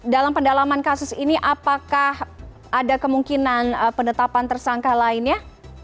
dalam pendalaman kasus ini apakah ada kemungkinan penetapan tersangka lainnya